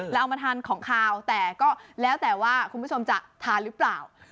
เอามาทานของขาวแต่ก็แล้วแต่ว่าคุณผู้ชมจะทานหรือเปล่า